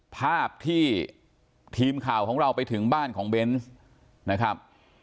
ภาพที่ทีมข่าวของเราไปถึงบ้านของเบนส์นะครับ